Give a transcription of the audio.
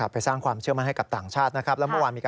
ไปสร้างความเชื่อมั่นให้กับต่างชาตินะครับ